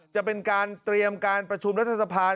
จะเป็นการเตรียมการประชุมรัฐสภา